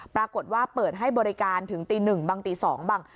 ปรากฏว่าเปิดให้บริการถึงตี๑บ้างตี๒บ้าง